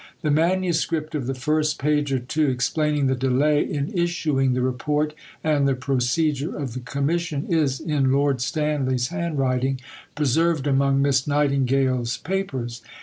The manuscript of the first page or two (explaining the delay in issuing the Report and the procedure of the Commission) is in Lord Stanley's handwriting (preserved among Miss Nightingale's papers).